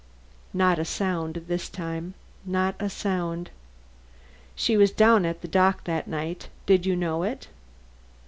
Not a sound this time, not a sound. "She was down at the dock that night. Did you know it?"